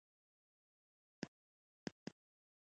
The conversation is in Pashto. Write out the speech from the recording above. موږ د تودوخې موسم خوښوو.